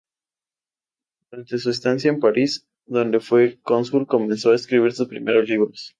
Durante su estadía en París, donde fue cónsul, comenzó a escribir sus primeros libros.